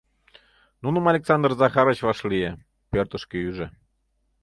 Нуным Александр Захарыч вашлие, пӧртышкӧ ӱжӧ.